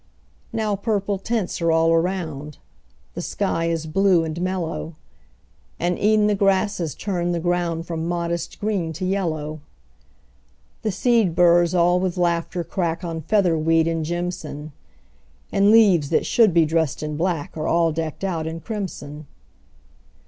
Now purple tints are all around; The sky is blue and mellow; And e'en the grasses turn the ground From modest green to yellow. The seed burrs all with laughter crack On featherweed and jimson; And leaves that should be dressed in black Are all decked out in crimson.